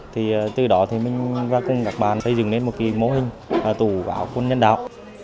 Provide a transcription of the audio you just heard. thì từ đó thì mình và các bạn xây dựng lên một cái mô hình tủ quần áo nhân đạo